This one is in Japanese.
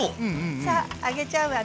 さあ上げちゃうわね。